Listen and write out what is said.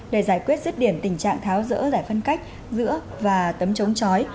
để giải quyết dứt điểm tình trạng tháo rỡ giải phân cách giữa và tấm chống chói